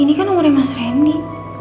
ini kan umurnya mas randy